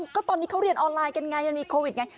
ก็ตอนนี้เขาเรียนออนไลน์กันไงมันมีโควิดไง